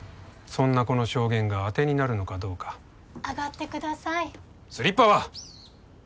そんな子の証言が当てになるのかどうか上がってくださいスリッパは！